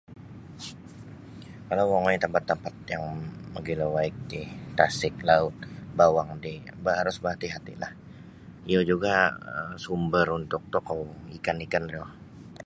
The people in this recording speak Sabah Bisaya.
Kalau mongoi da tampat -tampat yang mogilo waig ti tasik laut bawang ti ba harus bahati'-hati'lah iyo juga' sumber untuk tokou ikan-ikan ri lah.